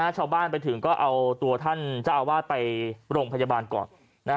ชาวบ้านไปถึงก็เอาตัวท่านเจ้าอาวาสไปโรงพยาบาลก่อน